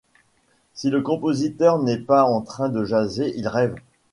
Si le compositeur n’est pas en train de jaser, il rêve.